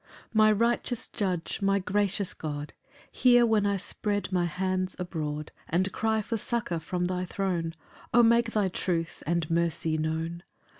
1 My righteous Judge, my gracious God, Hear when I spread my hands abroad And cry for succour from thy throne, O make thy truth and mercy known.